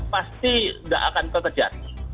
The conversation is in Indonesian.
pasti tidak akan terjadi